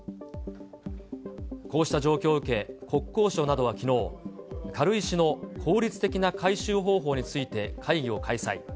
こうした状況を受け、国交省などはきのう、軽石の効率的な回収方法について、会議を開催。